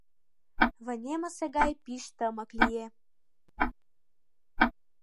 Вынемысе гай пич тымык лие.